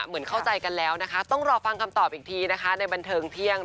เหมือนเข้าใจกันแล้วนะคะต้องรอฟังคำตอบอีกทีนะคะในบันเทิงเที่ยง